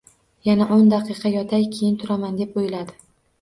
Yana o`n daqiqa yotay, keyin turaman deb o`yladi